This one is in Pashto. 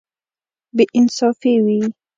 بې انصافي وي.